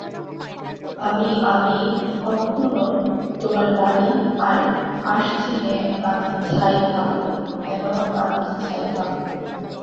আমি-আমি কখখনো তোমার বাড়ি আর আসচিনে-আমি ছাই খাবো, কেন আমি ছাই খাবো?